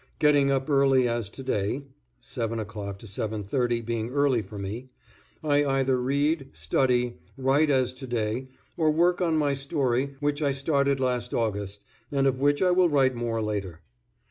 Getting up early as to day (7:00 to 7:30 being early for me) I either read, study, write as to day, or work on my story which I started last August and of which I will write more later.